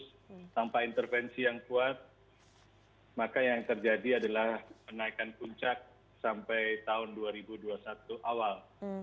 tanpa intervensi yang kuat maka yang terjadi adalah penaikan puncak sampai tahun dua ribu dua puluh satu awal